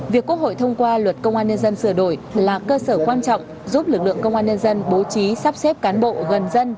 việc quốc hội thông qua luật công an nhân dân sửa đổi là cơ sở quan trọng giúp lực lượng công an nhân dân bố trí sắp xếp cán bộ gần dân